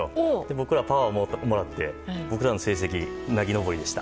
僕らパワーもらって僕らの成績うなぎ登りでした。